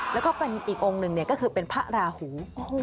แล้วก็เป็นอีกองค์หนึ่งก็คือเป็นพระราหู